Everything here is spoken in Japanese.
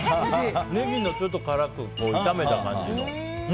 ネギがちょっと辛くて炒めた感じの。